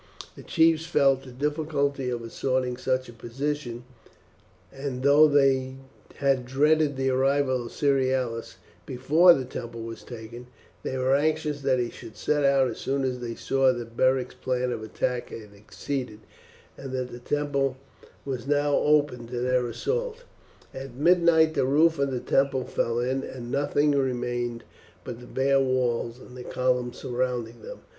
The chiefs felt the difficulty of assaulting such a position, and though they had dreaded the arrival of Cerealis before the temple was taken, they were anxious that he should set out as soon as they saw that Beric's plan of attack had succeeded, and that the temple was now open to their assault. At midnight the roof of the temple fell in, and nothing remained but the bare walls and the columns surrounding them.